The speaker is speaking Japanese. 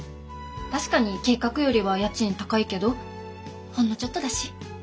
確かに計画よりは家賃高いけどほんのちょっとだし。